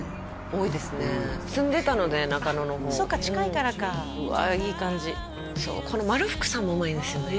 多いですね住んでたので中野の方そっか近いからかうわあいい感じそうこの丸福さんもうまいんですよね